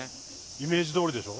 イメージどおりでしょ？